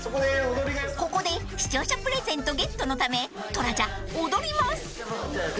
［ここで視聴者プレゼントゲットのためトラジャ踊ります］